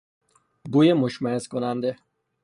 بوی مشمئز کننده